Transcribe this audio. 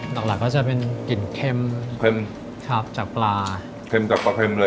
หลักหลักก็จะเป็นกลิ่นเค็มเค็มครับจากปลาเค็มจากปลาเค็มเลย